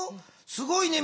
すごいね。